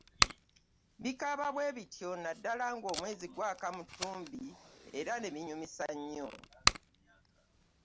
Bikaaba bwebityo naddala ng’omwezi gwaka mu ttumbi era binyumisa nnyo.